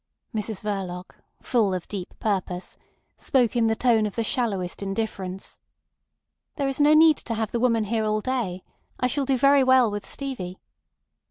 Mrs Verloc, full of deep purpose, spoke in the tone of the shallowest indifference. "There is no need to have the woman here all day. I shall do very well with Stevie."